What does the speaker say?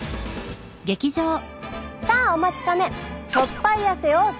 さあお待ちかね！